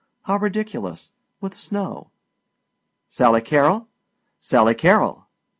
How ridiculous with snow! "Sally Carrol! Sally Carrol!"